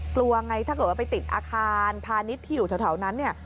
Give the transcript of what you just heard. กลัวไงถ้าเกิดว่าไปติดอาคารพานิฑที่อยู่เท่านั้น